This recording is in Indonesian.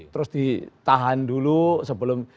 terus ditahan dulu sebelum